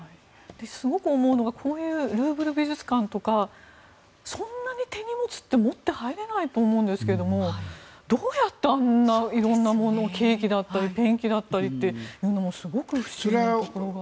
すごく思うのがこういう、ルーブル美術館とかそんなに手荷物って持って入れないと思うんですがどうやってあんな色んなものケーキだったりペンキだったりっていうのもすごく不思議なところが。